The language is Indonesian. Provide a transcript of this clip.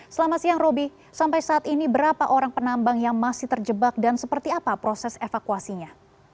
selamat siang roby sampai saat ini berapa orang penambang yang masih terjebak dan seperti apa proses evakuasinya